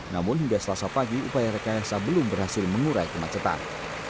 namun hingga selasa pagi upaya rekayasa belum berhasil mengurai kemacetan